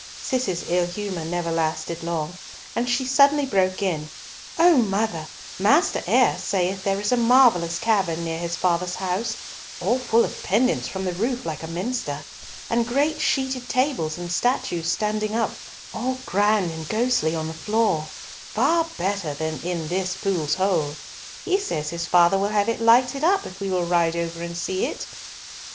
Cis's ill humour never lasted long, and she suddenly broke in, "O mother, Master Eyre saith there is a marvellous cavern near his father's house, all full of pendants from the roof like a minster, and great sheeted tables and statues standing up, all grand and ghostly on the floor, far better than in this Pool's Hole. He says his father will have it lighted up if we will ride over and see it."